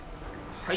はい。